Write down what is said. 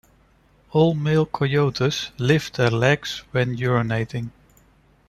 All male coyotes lift their legs when urinating.